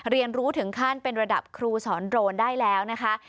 เรียนรู้ถึงขั้นเป็นระดับครูสอนโดรนได้แล้วนะคะ